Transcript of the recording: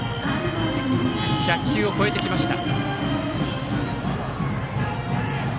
１００球を超えてきました。